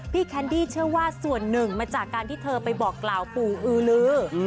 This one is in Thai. แคนดี้เชื่อว่าส่วนหนึ่งมาจากการที่เธอไปบอกกล่าวปู่อือลือ